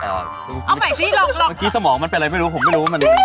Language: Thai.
เมื่อกี้มันเป็นไรไม่รู้ผมไม่รู้ว่ามัน